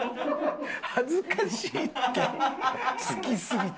「恥ずかしい」って好きすぎて？